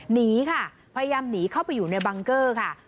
หนีค่ะพยายามหนีเข้าไปอยู่ในบังเกอร์ค่ะ